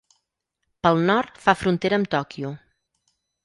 Pel nord, fa frontera amb Tòquio.